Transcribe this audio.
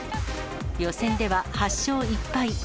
予選では８勝１敗。